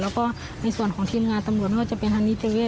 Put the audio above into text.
และก็ในส่วนที่เรียงงานตำรวจล่ะก็จะเป็นเทอร์เวส